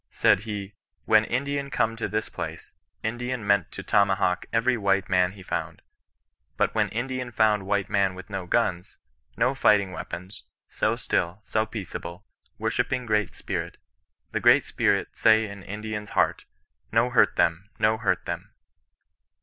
Said he, "When Indian come to this place, Indian meant to tomahawk every white man he found. But when Indian found white man with no guns, no fighting weapons, so still, so peaceable, worshipping Great Spirit, the Great Spirit say in Indian^s heart — no hurt them, no hurt them